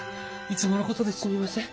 いつものことですみません。